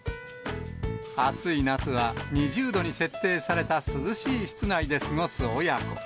暑い夏は２０度に設定された涼しい室内で過ごす親子。